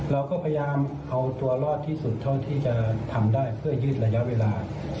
เราก็พยายามเอาตัวรอดที่สุดเท่าที่จะทำได้เพื่อยืดระยะเวลา